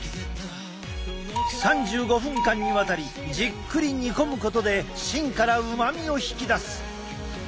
３５分間にわたりじっくり煮込むことで芯からうまみを引き出す。